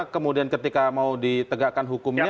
kemudian ketika mau ditegakkan hukumnya